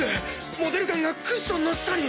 モデルガンがクッションの下に。